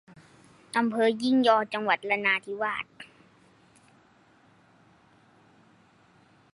อำเภอยี่งอ จังหวัดนราธิวาส